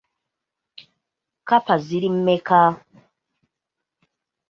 Kkapa ziri mmeka?